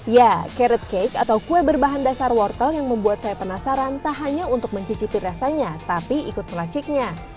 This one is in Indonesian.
ya carrot cake atau kue berbahan dasar wortel yang membuat saya penasaran tak hanya untuk mencicipi rasanya tapi ikut melaciknya